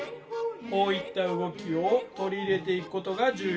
こういった動きを取り入れていくことが重要ですよ。